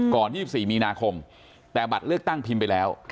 ๒๔มีนาคมแต่บัตรเลือกตั้งพิมพ์ไปแล้ว